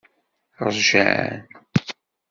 Ṛjan.